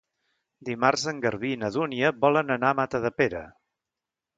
Dimarts en Garbí i na Dúnia volen anar a Matadepera.